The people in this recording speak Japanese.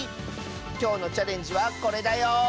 きょうのチャレンジはこれだよ！